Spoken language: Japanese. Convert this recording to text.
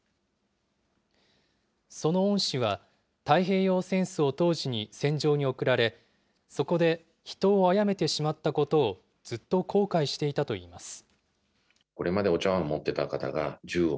その恩師は、太平洋戦争当時に戦場に送られ、そこで人をあやめてしまったことをずっと後悔していたといいます。